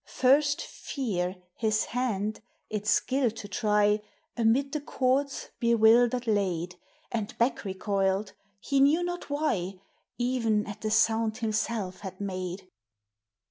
First Fear his hand, its skill to try, Amid the chords bewildered laid, And back recoiled, he knew not why, E'en at the sound himself had made.